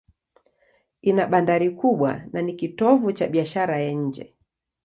Ina bandari kubwa na ni kitovu cha biashara ya nje.